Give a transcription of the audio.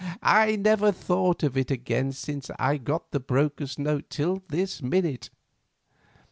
I never thought of it again since I got the broker's note till this minute.